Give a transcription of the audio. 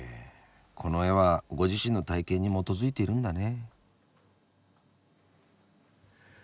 この絵はご自身の体験に基づいているんだね。